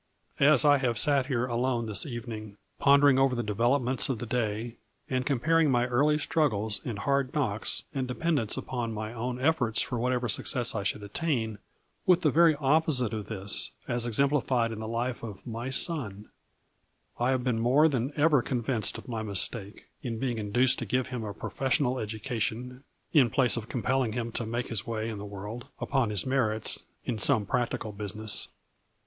As I have sat here alone this evening, pondering over the developments of the day, and compar ing my early struggles and hard knocks and dependence upon my own efforts for whatever success I should attain with the very opposite of this, as exemplified in the life of my son, I have been more than ever convinced of my mistake, in being induced to give him a profes sional education, in place of compelling him to make his way in the world, upon his merits, in some practical business.